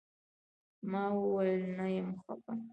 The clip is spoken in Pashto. ما وويل نه يم خپه.